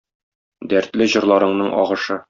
Дәртле җырларыңның агышы.